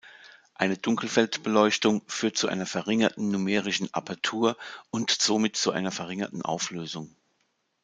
Eine Dunkelfeld-Beleuchtung führt zu einer verringerten Numerischen Apertur und somit zu einer verringerten Auflösung.